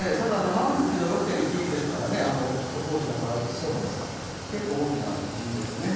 マグニチュード６．１ですから、速報値が正しいとすると、大きいですよね。